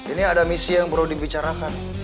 ini ada misi yang perlu dibicarakan